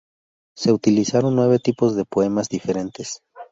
Se utilizaron nueve tipos de poemas diferentes.